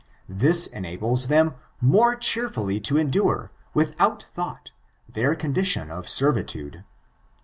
This enables them more cheerfully to endure, without thought, their condition of servitude.